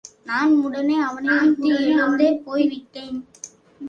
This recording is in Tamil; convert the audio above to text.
நான் உடனே அவனை விட்டு எழுந்தே போய் விட்டேன்.